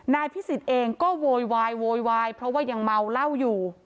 นายพิสิทธิ์เองก็โวยวายโวยวายเพราะว่ายังเมาเหล้าอยู่